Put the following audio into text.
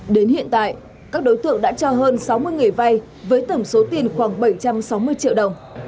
đến hiện tại các đối tượng đã cho hơn sáu mươi người vay với tổng số tiền khoảng bảy trăm sáu mươi triệu đồng